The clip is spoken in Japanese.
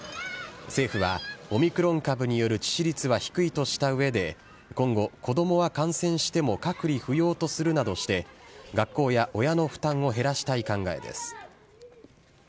政府は、オミクロン株による致死率は低いとしたうえで、今後、子どもは感染しても隔離不要とするなどして、学校や親の負担を減らしたい考えです。